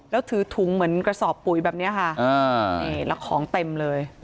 แล้วถือถุงเหมือนกระสอบปุ๋ยแบบนี้ค่ะนี่แล้วของเต็มเลย